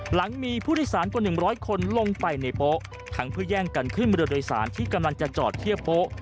หลังมีผู้โดยสารกว่า๑๐๐คนลงไปในโป๊ะทั้งเพื่อแย่งกันขึ้นเรือโดยสารที่กำลังจะจอดเทียบโป๊ะ